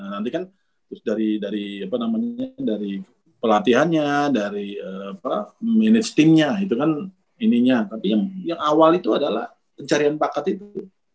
nanti kan dari pelatihannya dari manage timnya tapi yang awal itu adalah pencarian bakat itu